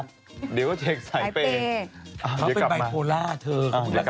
คุณแจกหูริมนั่นเลย